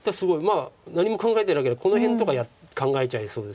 まあ何も考えてなければこの辺とか考えちゃいそうです。